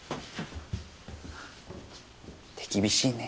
手厳しいね。